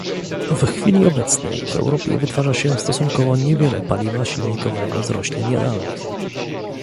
W chwili obecnej w Europie wytwarza się stosunkowo niewiele paliwa silnikowego z roślin jadalnych